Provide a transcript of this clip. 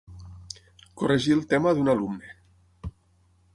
Corregir el tema d'un alumne.